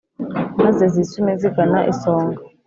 Maze zisume zigana isonga